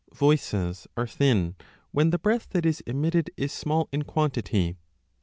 Voices are thin, when the breath that is omitted is small in quantity.